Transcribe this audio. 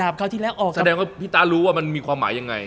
พี่ตารู้ว่ามันมีความหมายยังไง